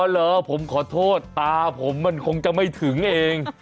เหรอผมขอโทษตาผมมันคงจะไม่ถึงเอง